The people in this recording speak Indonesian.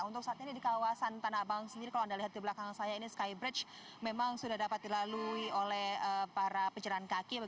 untuk saat ini di kawasan tanah abang sendiri kalau anda lihat di belakang saya ini skybridge memang sudah dapat dilalui oleh para pejalan kaki